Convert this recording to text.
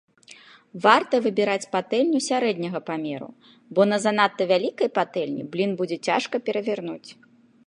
Варта выбіраць патэльню сярэдняга памеру, бо на занадта вялікай патэльні блін будзе цяжка перавярнуць.